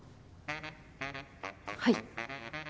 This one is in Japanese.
はい。